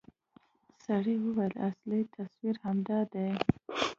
سړي وويل اصلي تصوير همدا دى.